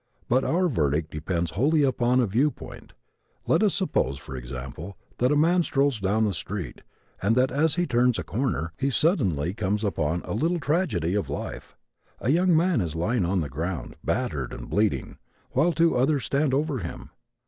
But our verdict depends wholly upon a viewpoint. Let us suppose, for example, that a man strolls down the street and that, as he turns a corner, he suddenly comes upon a little tragedy of life. A young man is lying on the ground, battered and bleeding, while two others stand over him.